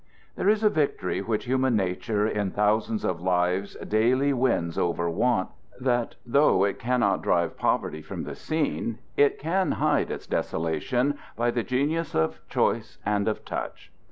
There is a victory which human nature in thousands of lives daily wins over want, that though it cannot drive poverty from the scene, it can hide its desolation by the genius of choice and of touch.